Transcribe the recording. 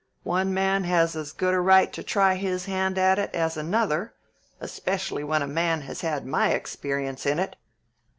"One man has as good a right to try his hand at it as another, especially when a man has had my experience in it.